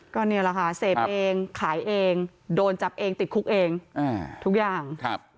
ก็นี่แหละค่ะเสพเองขายเองโดนจับเองติดคุกเองทุกอย่างครับ